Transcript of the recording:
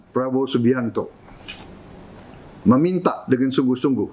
prabowo subianto meminta dengan sungguh sungguh